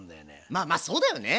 まあまあそうだよね。